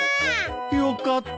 よかった。